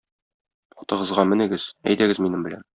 Атыгызга менегез, әйдәгез минем белән.